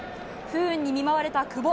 不運に見舞われた久保。